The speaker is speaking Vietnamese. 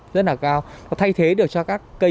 và thay thế được cho các cây